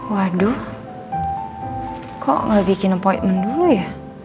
waduh kok nggak bikin appointment dulu ya